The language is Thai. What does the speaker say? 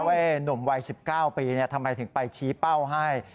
หนุ่มวัย๑๙ปีทำไมถึงไปชี้เป้าให้